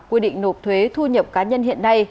quy định nộp thuế thu nhập cá nhân hiện nay